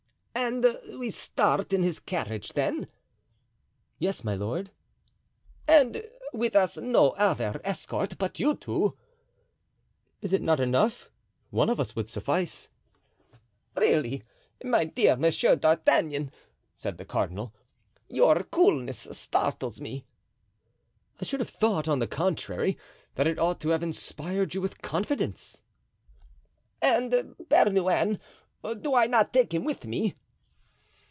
"And we start in his carriage, then?" "Yes, my lord." "And with us no other escort but you two?" "Is it not enough? One of us would suffice." "Really, my dear Monsieur d'Artagnan," said the cardinal, "your coolness startles me." "I should have thought, on the contrary, that it ought to have inspired you with confidence." "And Bernouin—do I not take him with me?"